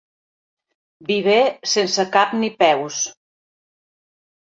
Viver sense cap ni peus.